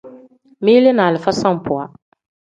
Mili ni alifa sambuwa.